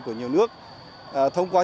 của những người lớn và người lớn